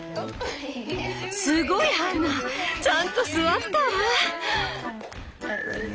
すごいハンナちゃんと座ったわ！